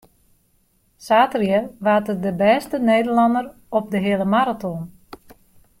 Saterdei waard er de bêste Nederlanner op de heale maraton.